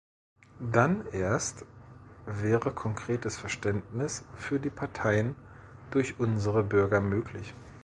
Dann erst wäre konkretes Verständnis für die Parteien durch unsere Bürger möglich.